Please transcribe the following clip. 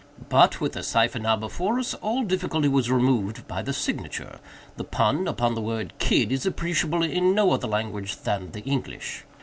But, with the cipher now before us, all difficulty was removed by the signature. The pun upon the word 'Kidd' is appreciable in no other language than the English.